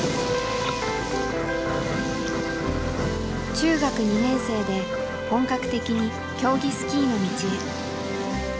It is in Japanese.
中学２年生で本格的に競技スキーの道へ。